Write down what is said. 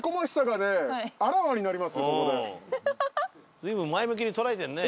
随分前向きに捉えてるね